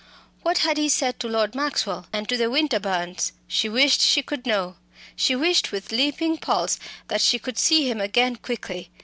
What had he said to Lord Maxwell? and to the Winterbournes? She wished she could know. She wished with leaping pulse that she could see him again quickly.